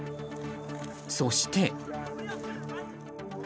そして。